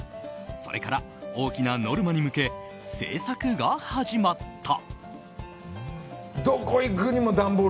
それから大きなノルマに向け制作が始まった。